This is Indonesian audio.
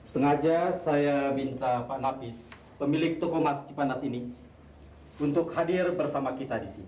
sengaja saya minta pak nafis pemilik tokomas cipandas ini untuk hadir bersama kita di sini